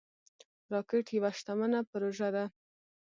راکټ یوه شتمنه پروژه ده